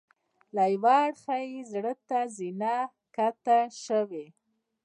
له یوه اړخه یې زړه ته زینه ښکته شوې.